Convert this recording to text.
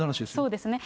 そうですね。